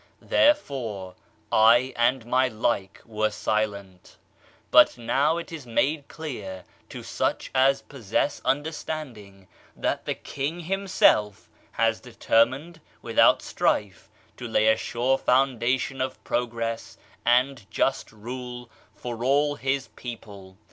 Therefore, I and my like were silent But now it is made clear to such as possess understanding, that the king himself has determined, without strife, to lay a sure founda tion of progress and just rule for all his people.